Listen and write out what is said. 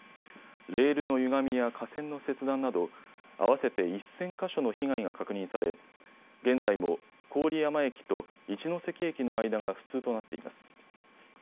レールのゆがみや架線の切断など合わせて１０００か所の被害が確認され現在も郡山駅と一ノ関駅の間が不通となっています。